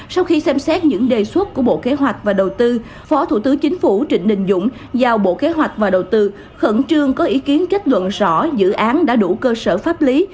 sau khi xem xét những đề xuất của bộ kế hoạch và đầu tư phó thủ tướng chính phủ trịnh đình dũng giao bộ kế hoạch và đầu tư khẩn trương có ý kiến kết luận rõ dự án đã đủ cơ sở pháp lý